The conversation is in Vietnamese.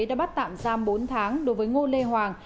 đã bắt tạm giam bốn tháng đối với ngô lê hoàng